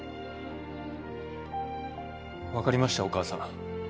わかりましたお母さん。